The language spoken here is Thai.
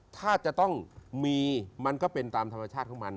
ถ้าจะต้องมีมันก็เป็นตามธรรมชาติของมัน